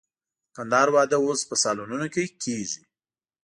د کندهار واده اوس په سالونونو کې کېږي.